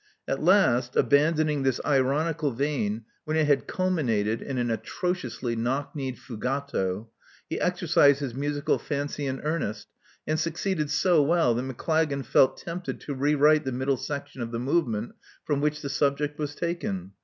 At last, abandoning this ironical vein when it had culminated in an atrociously knock kneed /«^^/^, he exercised his musical fancy in earnest, and succeeded so well that Maclagan felt tempted to rewrite the middle section of the movement from which the subject was taken.